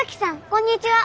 こんにちは。